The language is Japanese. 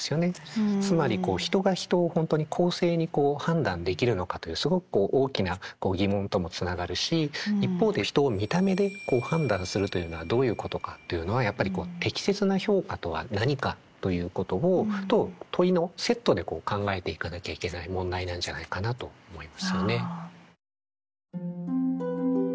つまりこう人が人を本当に公正に判断できるのかというすごくこう大きな疑問ともつながるし一方で人を見た目で判断するというのはどういうことかというのはやっぱり適切な評価とは何かということと問いのセットで考えていかなきゃいけない問題なんじゃないかなと思いますよね。